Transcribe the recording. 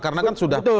karena kan sudah